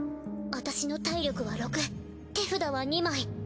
私の体力は６手札は２枚。